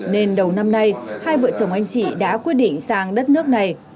nên đầu năm nay hai vợ chồng anh chị đã quyết định sang đất nước này